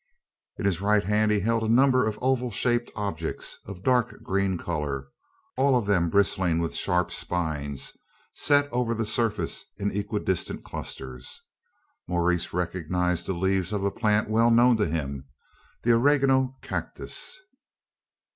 In his right hand he held a number of oval shaped objects of dark green colour all of them bristling with sharp spines, set over the surface in equidistant clusters. Maurice recognised the leaves of a plant well known to him the oregano cactus.